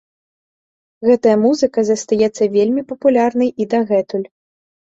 Гэтая музыка застаецца вельмі папулярнай і дагэтуль.